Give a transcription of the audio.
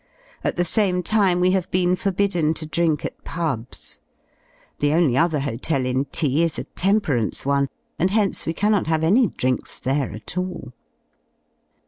At the same time we have been forbidden to drink at pubs. The onlv other hotel in T is a Temperance one, and hence we cannot have any drinks there at all.